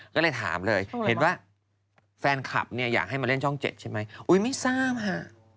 ก็เลยถามเลยเห็นว่าแฟนคลับเนี่ยอยากให้มาเล่นช่อง๗ใช่ไหมอุ๊ยไม่ทราบค่ะ